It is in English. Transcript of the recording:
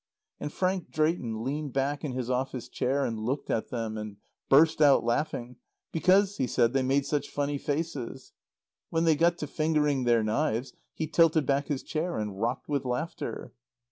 And Frank Drayton leaned back in his office chair and looked at them, and burst out laughing, because, he said, they made such funny faces. When they got to fingering their knives, he tilted back his chair and rocked with laughter.